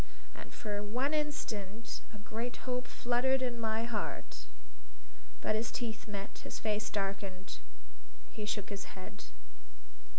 And for one instant a great hope fluttered in my heart. But his teeth met. His face darkened. He shook his head.